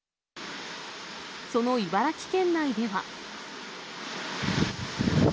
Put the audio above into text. その茨城県内では。